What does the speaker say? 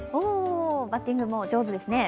バッティングも上手ですね。